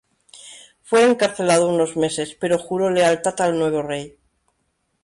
Fue encarcelado unos meses, pero juró lealtad al nuevo rey.